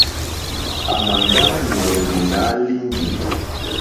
À mà ndá lùwɛ̀ndì nǎ líŋɡì.